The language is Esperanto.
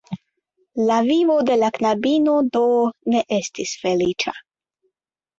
La vivo de la knabino, do, ne estis feliĉa.